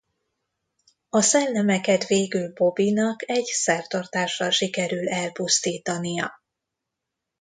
A szellemeket végül Bobby-nak egy szertartással sikerül elpusztítania.